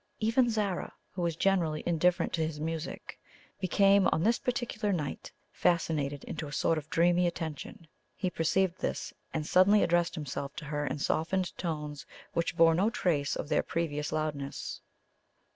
Even Zara, who was generally indifferent to his music, became, on this particular night, fascinated into a sort of dreamy attention. He perceived this, and suddenly addressed himself to her in softened tones which bore no trace of their previous loudness.